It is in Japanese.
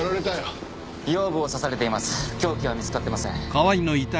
凶器は見つかってません。